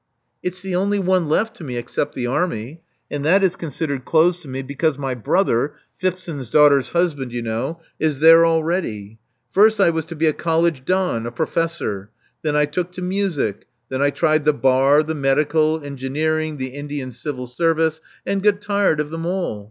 It*s the only one left to me, except the army; and that is considered closed to me because my brother — Phipson's daughter's husband, you know — is there already. First I was to be a college don — a professor. Then I took to music. Then I tried the bar, the medical, engineering, the Indian civil service, and got tired of them all.